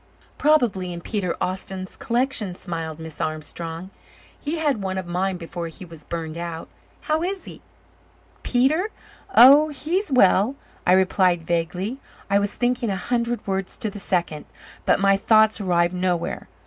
"Probably in Peter Austin's collection," smiled Miss Armstrong. "He had one of mine before he was burned out. How is he?" "Peter? Oh, he's well," I replied vaguely. I was thinking a hundred words to the second, but my thoughts arrived nowhere.